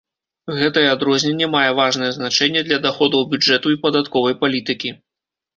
Гэтае адрозненне мае важнае значэнне для даходаў бюджэту і падатковай палітыкі.